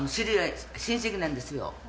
親戚なんですよ。